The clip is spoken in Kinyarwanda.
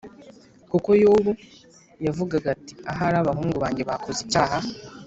kuko yobu yavugaga ati “ahari abahungu banjye bakoze icyaha,